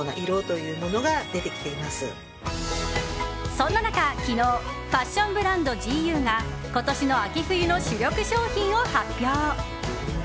そんな中、昨日ファッションブランドＧＵが今年の秋冬の主力商品を発表。